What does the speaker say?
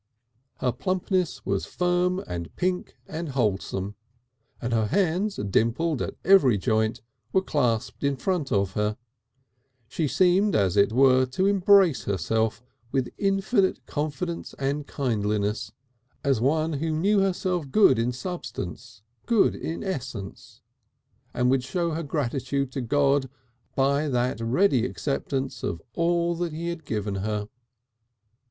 Her plumpness was firm and pink and wholesome, and her hands, dimpled at every joint, were clasped in front of her; she seemed as it were to embrace herself with infinite confidence and kindliness as one who knew herself good in substance, good in essence, and would show her gratitude to God by that ready acceptance of all that he had given her.